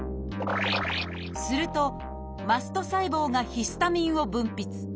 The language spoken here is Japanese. するとマスト細胞がヒスタミンを分泌。